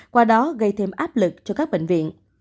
qua đó gây thêm áp lực cho các bệnh viện